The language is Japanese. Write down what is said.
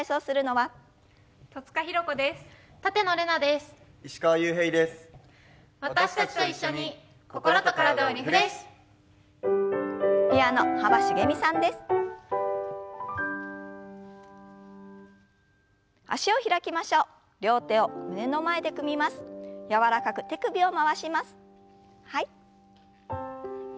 はい。